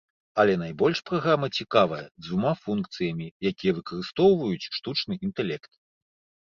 Але найбольш праграма цікавая дзвюма функцыямі, якія выкарыстоўваюць штучны інтэлект.